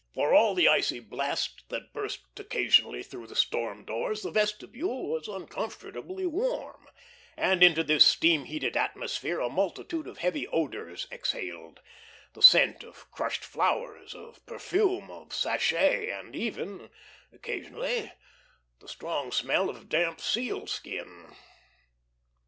For all the icy blasts that burst occasionally through the storm doors, the vestibule was uncomfortably warm, and into this steam heated atmosphere a multitude of heavy odours exhaled the scent of crushed flowers, of perfume, of sachet, and even occasionally the strong smell of damp seal skin.